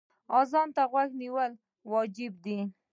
اذان ته غوږ نیول واجب دی.